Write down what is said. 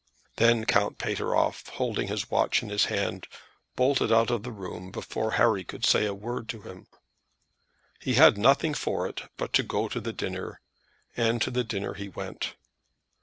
Then Count Pateroff, holding his watch in his hand, bolted out of the room before Harry could say a word to him. He had nothing for it but to go to the dinner, and to the dinner he went.